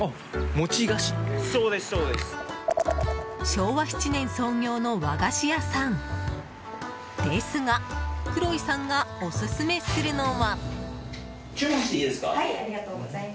昭和７年創業の和菓子屋さんですがクロイさんがオススメするのは。